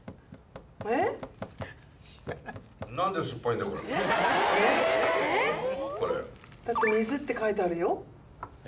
だって、水って書いてあるよ？